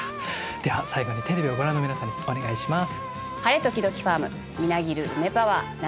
では最後にテレビをご覧の皆さんにお願いします。